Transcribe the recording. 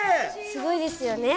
すごいですよね？